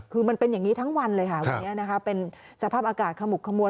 คือมันเป็นอย่างนี้ทั้งวันเลยค่ะวันนี้นะคะเป็นสภาพอากาศขมุกขมัว